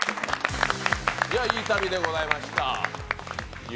いい旅でございました。